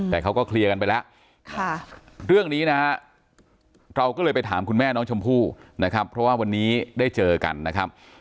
แต่เขาก็เคลียร์กันไปแล้วเรื่องนี้นะฮะเราก็เลยไปถามคุณแม่น้องชมพู่นะครับเพราะว่าวันนี้ได้เจอกันนะครับ